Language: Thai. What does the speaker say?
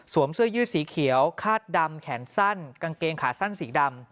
เสื้อยืดสีเขียวคาดดำแขนสั้นกางเกงขาสั้นสีดำ